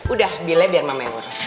udah bilnya biar mama yang ngurang